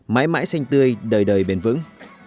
mãi mãi xanh tươi đời đời bền vững